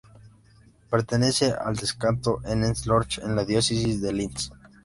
Pertenece al decanato Enns-Lorch en la diócesis de Linz.